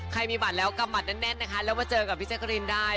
ใครมีบัตรแล้วกลับบัตรแน่นนะคะแล้วมาเจอกับพี่เจ๊กริ้นได้